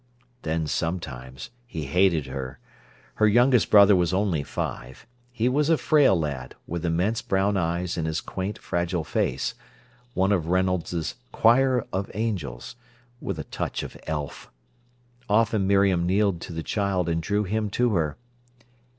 Then sometimes he hated her. Her youngest brother was only five. He was a frail lad, with immense brown eyes in his quaint fragile face—one of Reynolds's "Choir of Angels", with a touch of elf. Often Miriam kneeled to the child and drew him to her.